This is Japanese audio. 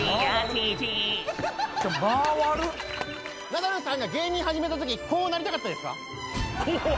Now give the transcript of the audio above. ナダルさんが芸人始めたときこうなりたかったですか？